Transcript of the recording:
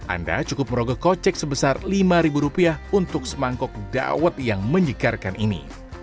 anda cukup merogoh kocek sebesar lima rupiah untuk semangkok dawet yang menyegarkan ini